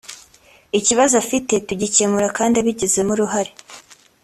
ikibazo afite tugikemure kandi abigizemo uruhare